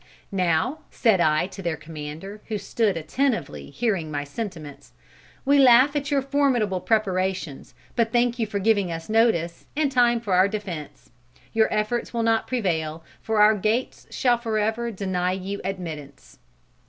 "'Now,' said I to their commander who stood attentively hearing my sentiments, 'we laugh at your formidable preparations, but thank you for giving us notice, and time for our defence. Your efforts will not prevail, for our gates shall forever deny you admittance.'